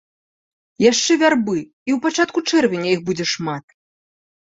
Яшчэ вярбы, і ў пачатку чэрвеня іх будзе шмат.